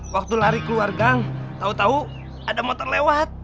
waktu lari keluar gang tau tau ada motor lewat